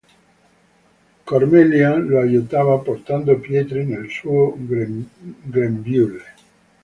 Cormelian lo aiutava portando pietre nel suo grembiule.